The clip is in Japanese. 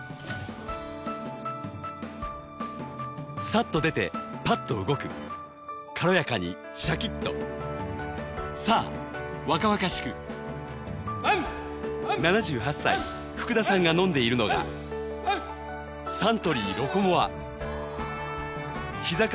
さっと出てパッと動く軽やかにシャキッと７８歳福田さんが飲んでいるのがサントリー「ロコモア」ひざ